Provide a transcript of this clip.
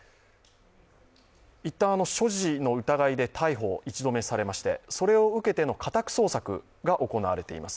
一旦、所持の疑いで１度目の逮捕をされまして、それを受けての家宅捜索が行われています。